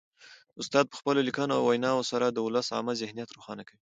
استاد په خپلو لیکنو او ویناوو سره د ولس عامه ذهنیت روښانه کوي.